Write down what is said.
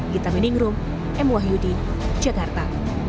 gita meningrum mwiu di jakarta